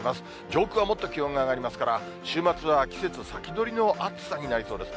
上空はもっと気温が上がりますから、週末は季節先取りの暑さになりそうです。